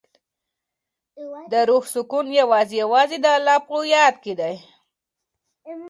د روح سکون یوازې او یوازې د الله په یاد کې دی.